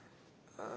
ああ。